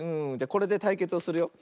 これでたいけつをするよ。